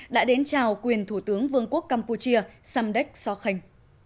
đã đến chào quyền thủ tướng vương quốc campuchia samdech sokhan